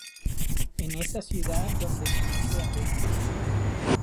Es en esta ciudad dónde conoce a Dña.